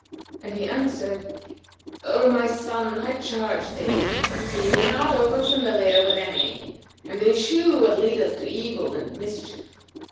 and he answered, "O my son, I charge thee, be not over familiar with any[FN#255] and eschew what leadeth to evil and mischief.